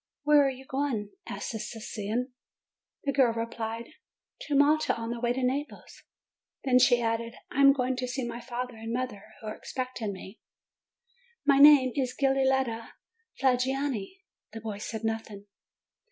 ''Where are you going?" asked the Sicilian. The girl replied : "To Malta on the way to Naples," Then she added: "I am going to see my father and mother, who are expecting me. My name is Giulietta Faggiani." The boy said nothing.